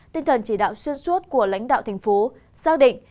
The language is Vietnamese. tinh thần chỉ đạo xuyên suốt của lãnh đạo thành phố xác định